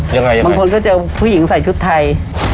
ยังไงบางคนก็เจอผู้หญิงใส่ชุดไทย